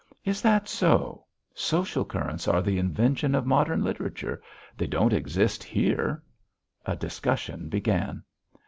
"Is that so? Social currents are the invention of modern literature. They don't exist here." A discussion began.